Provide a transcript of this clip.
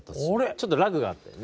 ちょっとラグがあったね。